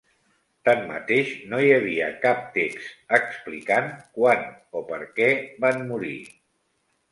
Tanmateix, no hi havia cap text explicant quan o per què van morir.